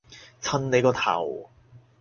襯你個頭